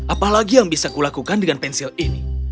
apalagi yang bisa kulakukan dengan pensil ini